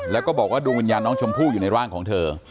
แล้วก็บอกว่าดวงวิญญาณน้องชมพู่อยู่ในร่างของเธอ